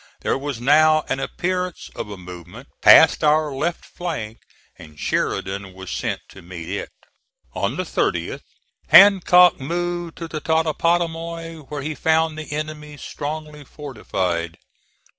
There was now an appearance of a movement past our left flank, and Sheridan was sent to meet it. On the 30th Hancock moved to the Totopotomoy, where he found the enemy strongly fortified.